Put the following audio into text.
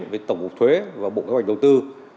với tổng cục thuế và bộ kế hoạch đầu tư